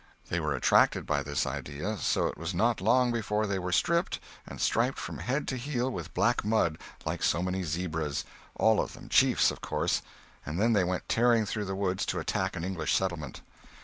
They were attracted by this idea; so it was not long before they were stripped, and striped from head to heel with black mud, like so many zebras—all of them chiefs, of course—and then they went tearing through the woods to attack an English settlement.